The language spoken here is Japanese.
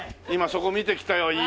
今そこ見てきたよ。